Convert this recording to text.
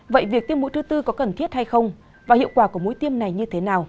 vậy việc tiêm mũi thứ tư có cần thiết hay không và hiệu quả của mũi tiêm này như thế nào